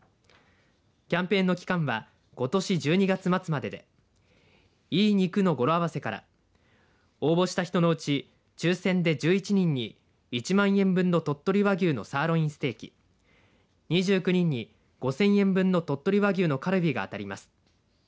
キャンペーンの期間はことし１２月末まででいい肉の語呂合わせから応募した人のうち抽選で１１人に１万円分の鳥取和牛のサーロインステーキ２９人に、５０００円分の鳥取和牛のカルビが当たります。